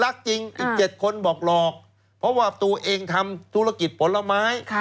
รักจริงอีก๗คนบอกหลอกเพราะว่าตัวเองทำธุรกิจผลไม้